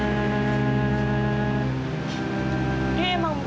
tapi dia mama yang evita punya